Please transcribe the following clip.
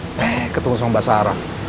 eh ketemu sama mbak sarah